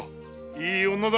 いい女だ。